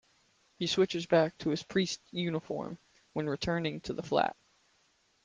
He switches back to his priest's uniform when returning to the flat.